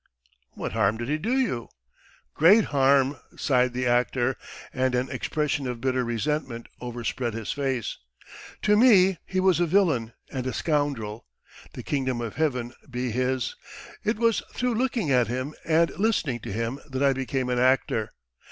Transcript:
"What harm did he do you?" "Great harm," sighed the actor, and an expression of bitter resentment overspread his face. "To me he was a villain and a scoundrel the Kingdom of Heaven be his! It was through looking at him and listening to him that I became an actor.